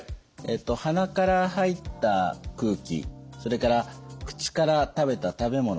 鼻から入った空気それから口から食べた食べ物